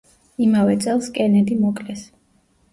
იმავე წელს კენედი მოკლეს.